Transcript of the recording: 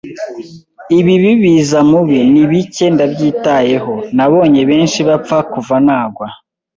ibibi biza mubi, ni bike ndabyitayeho. Nabonye benshi bapfa kuva nagwa